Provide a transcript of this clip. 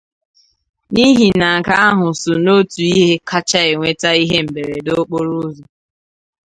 n'ihi na nke ahụ so n'otu ihe kacha eweta ihe mberede okporoụzọ